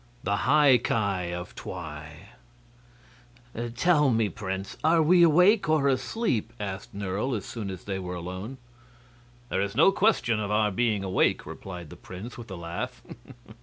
The High Ki of Twi "Tell me, Prince, are we awake or asleep?" asked Nerle, as soon as they were alone. "There is no question of our being awake," replied the prince, with a laugh.